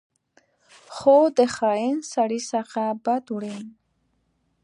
خو د خاین سړي څخه بد وړي.